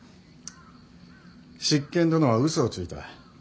執権殿は嘘をついた。